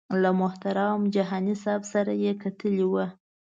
له محترم جهاني صاحب سره یې کتلي ول.